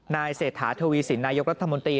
เศรษฐาทวีสินนายกรัฐมนตรี